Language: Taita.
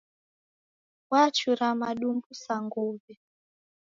Wachura madumbu sa nguwe